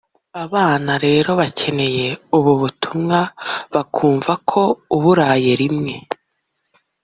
Abana rero bakeneye ubu butumwa bakumva ko uburaye rimwe